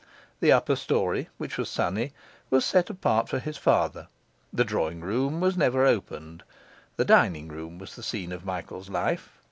The upper storey, which was sunny, was set apart for his father; the drawing room was never opened; the dining room was the scene of Michael's life.